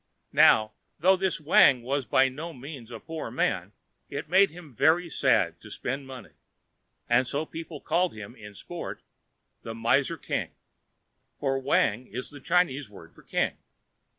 Now, though this Wang was by no means a poor man, it made him very sad to spend money, and so people called him in sport, the Miser King, for Wang is the Chinese word for king.